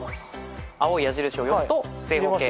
青い矢印を読むと「正方形」